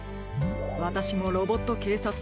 わたしもロボットけいさつ